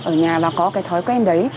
ở nhà và có cái thói quen đấy